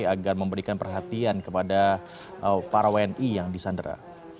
agar memberikan perhatian kepada para wni yang disandera